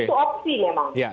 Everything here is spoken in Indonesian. untuk perpu itu opsi memang